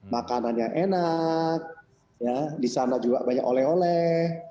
makanannya enak di sana juga banyak oleh oleh